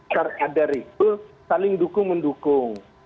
terada itu saling dukung mendukung